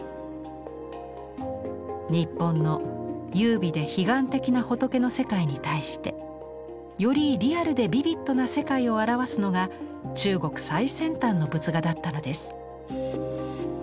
日本の優美で彼岸的な仏の世界に対してよりリアルでビビッドな世界を表すのが中国最先端の仏画だったのです。